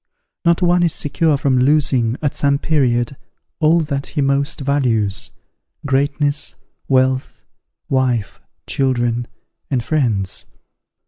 not one is secure from losing, at some period, all that he most values, greatness, wealth, wife, children, and friends.